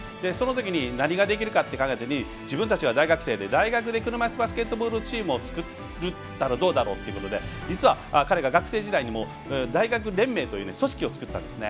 そのとき、何ができるかって自分たちが大学生で大学で車いすバスケットボールチームを作ったらどうかって実は、彼が学生時代のときに大学連盟っていう組織を作ったんですね。